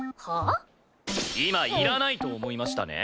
今いらないと思いましたね？